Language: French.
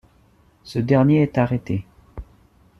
Ce dernier est arrêté.